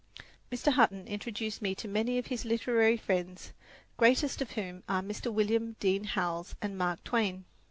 Mr. Hutton introduced me to many of his literary friends, greatest of whom are Mr. William Dean Howells and Mark Twain.